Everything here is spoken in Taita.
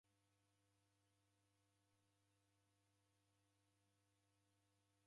Mghenyi wapo nio wanibonyera agha malagho